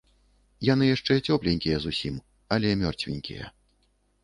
Яны яшчэ цёпленькія зусім, але мёртвенькія.